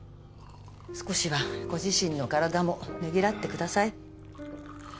少しはご自身の体もねぎらってください